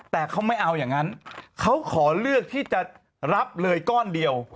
แต่เขาไม่เอาอย่างนั้นเขาขอเลือกที่จะรับเลยก้อนเดียว